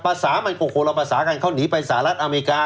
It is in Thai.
ภาษามันก็คนละภาษากันเขาหนีไปสหรัฐอเมริกา